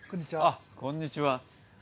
あっこんにちは。